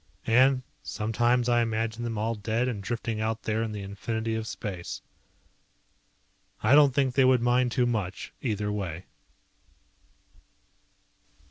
And sometimes I imagine them all dead and drifting out there in the infinity of space. I don't think they would mind too much, either way.